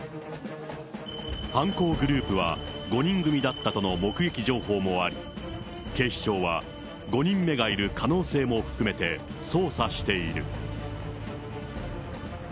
犯行グループは５人組だったとの目撃情報もあり、警視庁は５人目がいる可能性も含めて捜査している。